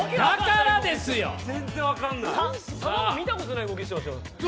球が見たことない動きしてましたよ。